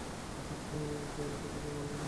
জাত কি আমার নিজের তৈরি যে মানব না?